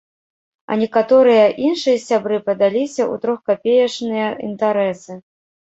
А некаторыя іншыя сябры падаліся ў трохкапеечныя інтарэсы.